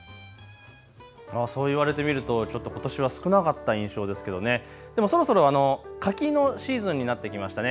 そう言われてみるとちょっとことしは少なかった印象ですけど、そろそろ柿のシーズンになってきましたね。